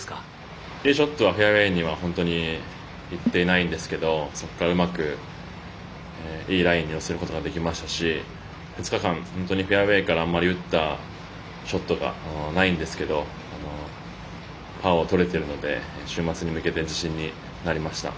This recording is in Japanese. ティーショットはフェアウェーにはいってないんですけどそこからうまく、いいラインに乗せることができたので２日間、フェアウェーから打ったショットがあまり、ないんですけどパーをとれているので週末に向けて自信になりました。